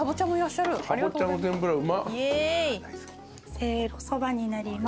せいろそばになります。